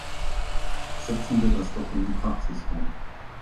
Setzen wir das doch in die Praxis um.